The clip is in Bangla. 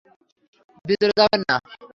ভিতরে যাবে না।